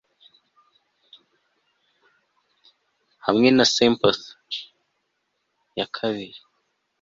hamwe na Symphony ya kabiri